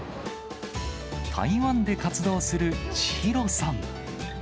台湾で活動する千尋さん。